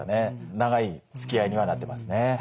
長いつきあいにはなってますね。